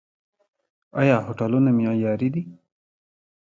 آیا هوټلونه معیاري دي؟